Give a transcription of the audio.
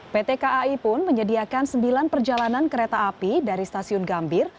pt kai pun menyediakan sembilan perjalanan kereta api dari stasiun gambir